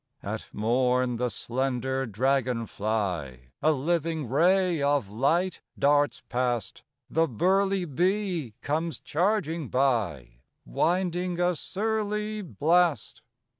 At morn the slender dragon fly, A living ray of light, darts past; The burly bee comes charging by Winding a surly blast.